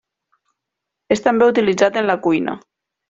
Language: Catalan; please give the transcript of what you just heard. És també utilitzat en la cuina.